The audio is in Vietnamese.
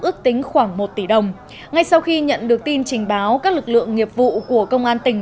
ước tính khoảng một tỷ đồng ngay sau khi nhận được tin trình báo các lực lượng nghiệp vụ của công an tỉnh